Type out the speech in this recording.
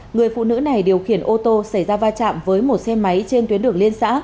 người phụ nữ này điều khiển ô tô xảy ra va chạm với một xe máy trên tuyến đường liên xã